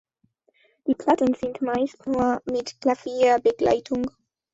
Die Platten sind meist nur mit Klavierbegleitung.